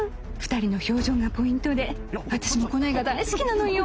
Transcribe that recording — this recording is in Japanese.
２人の表情がポイントで私もこの絵が大好きなのよ。